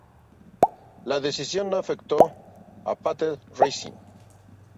La decisión no afectó a Panther Racing.